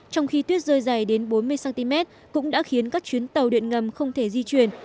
trong khi tuyết rơi dày đến bốn mươi cm cũng đã khiến các chuyến tàu điện ngầm không thể di chuyển